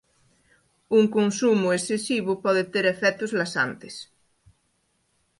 Un consumo excesivo pode ter efectos laxantes.